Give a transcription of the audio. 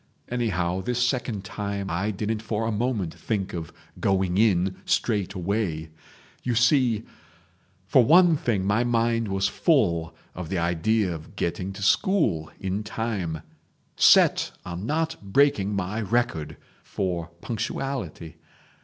Anyhow, this second time I didn't for a moment think of going in straight away. You see ... For one thing my mind was full of the idea of getting to school in time—set on not breaking my record for punctuality.